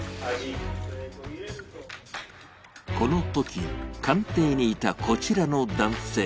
このとき官邸にいた、こちらの男性。